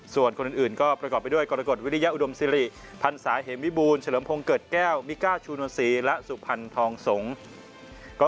ส่วนคนอื่นก็ประกอบไปด้วยกรกฎวิริยาอุดมสิริพันศาเหมวิบูรณเฉลิมพงศ์เกิดแก้วมิก้าชูนศรีและสุพรรณทองสงฆ์